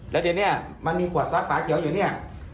แล้วทีนี้มันมีขวดซัดฝาเขียวอยู่นี่